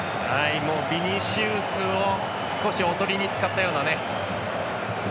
ビニシウスを少し、おとりに使ったような。